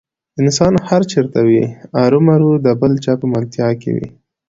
انسان هر چېرته وي ارومرو د بل چا په ملتیا کې وي.